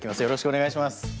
よろしくお願いします。